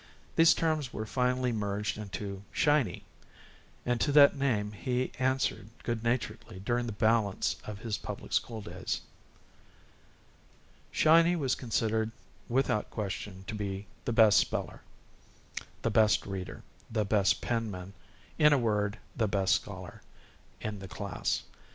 These terms were finally merged into "Shiny," and to that name he answered good naturedly during the balance of his public school days. "Shiny" was considered without question to be the best speller, the best reader, the best penman in a word, the best scholar, in the class.